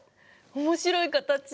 面白い形！